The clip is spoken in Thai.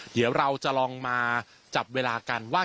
และก็คือว่าถึงแม้วันนี้จะพบรอยเท้าเสียแป้งจริงไหม